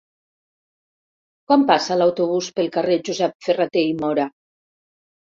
Quan passa l'autobús pel carrer Josep Ferrater i Móra?